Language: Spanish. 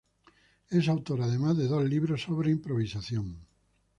Es autor, además, de dos libros sobre improvisación.